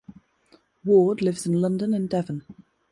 Ward lives in London and Devon.